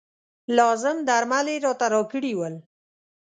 لازم درمل یې راته راکړي ول.